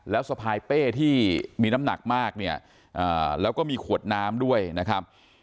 แล้วสะพายเป้ที่มีน้ำหนักมากเนี่ยแล้วก็มีขวดน้ำด้วยนะครับ